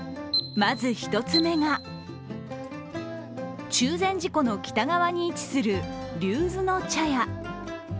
まず１つめが中禅寺湖の北側に位置する、龍頭之茶屋。